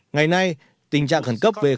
ngày nay tình trạng khẩn cấp về khí hậu